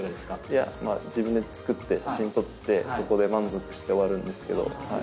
いや、自分で作って写真撮って、そこで満足して終わるんですけど。